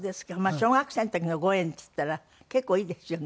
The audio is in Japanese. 小学生の時の５円っていったら結構いいですよね。